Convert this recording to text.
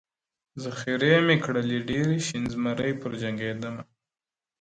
ذخیرې مي کړلې ډیري شین زمری پر جنګېدمه!!